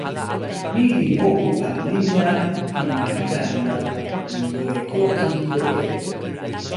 ni li moku pan linja pi ma Italija li jo e ko kili loje.